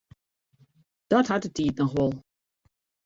Dat hat de tiid noch wol.